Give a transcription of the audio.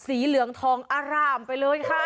สีเหลืองทองอร่ามไปเลยค่ะ